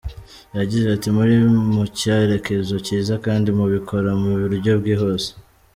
Yagize ati :” Muri mucyerekezo cyiza kandi mubikora mu buryo bwihuse”.